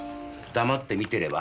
黙って見てれば？